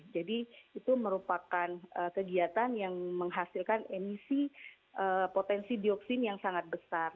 jadi itu merupakan kegiatan yang menghasilkan emisi potensi dioksin yang sangat besar